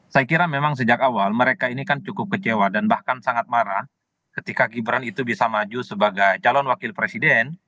saya kira memang sejak awal mereka ini kan cukup kecewa dan bahkan sangat marah ketika gibran itu bisa maju sebagai calon wakil presiden